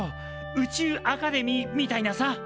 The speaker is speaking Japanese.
宇宙アカデミーみたいなさ！